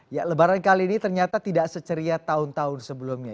ya lebaran kali ini ternyata tidak seceria tahun tahun sebelumnya